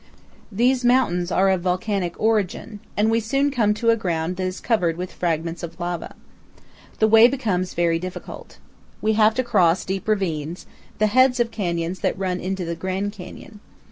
These mountains are of volcanic origin, and we soon come to ground that is covered with fragments of lava. The way becomes very difficult. We have to cross deep ravines, the heads of canyons that run into the Grand Canyon.